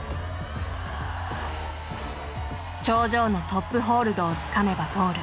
頂上の「トップホールド」をつかめばゴール。